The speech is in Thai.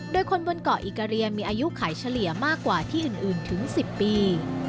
โดยคนบนเกาะอิกาเรียมีอายุขายเฉลี่ยมากกว่าที่อื่นถึง๑๐ปี